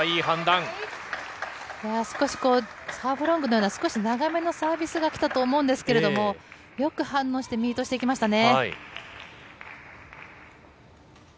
少しサーブロングのような、少し長めのサービスが来たと思うんですけれども、よく反応してミートしていきましたね。